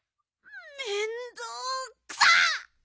めんどくさ！